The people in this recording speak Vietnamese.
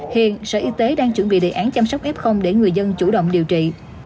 hiện sở y tế đang chuẩn bị đề án chăm sóc f để người dân chủ động điều trị